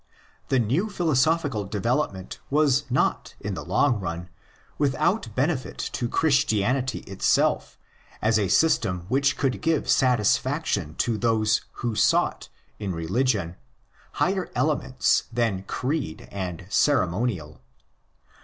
The new philosophical development was not, in the long run, without benefit to Christianity itself as a system which could give satisfaction to those who sought in religion higher elements than creed and ceremonial.